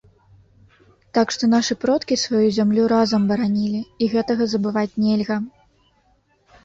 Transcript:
Так што нашы продкі сваю зямлю разам баранілі, і гэтага забываць нельга.